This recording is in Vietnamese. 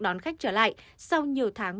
đón khách trở lại sau nhiều tháng